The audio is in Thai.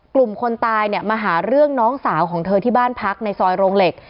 คนตายเนี่ยมาหาเรื่องน้องสาวของเธอที่บ้านพักในซอยโรงเหล็ก